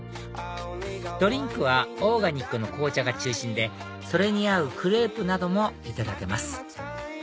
ドリンクはオーガニックの紅茶が中心でそれに合うクレープなどもいただけます